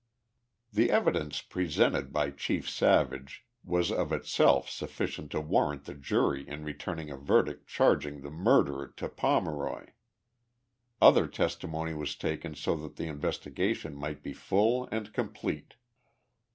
The evidence presented by Chief Savage was of itself suffi cient to warrant the jury in returning a verdict charging the murder to Pomeroy. Other testimony was taken so that the in vestigation might be full and complete.